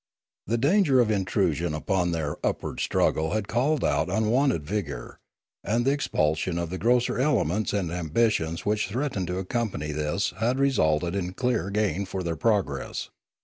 The danger of intrusion upon their upward struggle had called out on wonted vigour; and the expulsion of the grosser elements and ambitions which threatened to accompany this had resulted in clear gain for their progress.